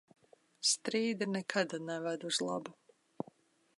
Strīdi nekad neved uz labu.